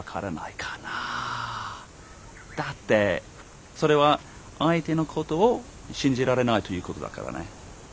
だってそれは相手のことを信じられないということだからね。